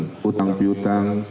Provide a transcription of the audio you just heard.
dengan urusan utang piutang